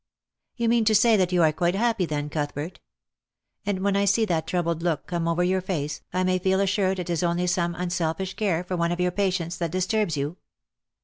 " You mean to say that you are quite happy then, Cuthbert ? And when I see that troubled look come over your face I may feel assured it is only some unselfish care for one of your patients that disturbs you